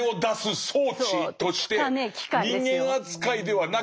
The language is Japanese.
人間扱いではなく。